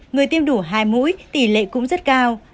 người tiêm đủ hai mũi tỷ lệ cũng rất cao